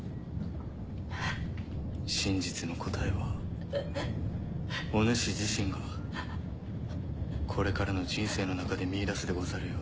真実の答えはお主自身がこれからの人生の中で見いだすでござるよ。